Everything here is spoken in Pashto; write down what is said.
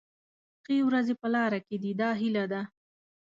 ښې ورځې په لاره کې دي دا هیله ده.